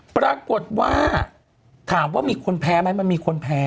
ปรากฏว่าถามว่ามีคนแพ้ไหมมันมีคนแพ้